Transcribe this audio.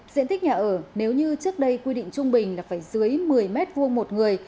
diện tích nhà ở nếu như trước đây quy định trung bình là phải dưới một mươi m hai một người